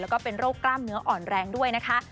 แล้วก็เป็นโรคกล้ามเนื้ออ่อนแรงด้วยนะคะ